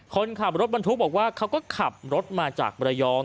คนขับรถบรรทุกบอกว่าเขาก็ขับรถมาจากระยอง